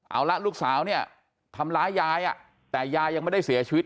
เอาละลูกสาวเนี่ยทำร้ายยายแต่ยายยังไม่ได้เสียชีวิต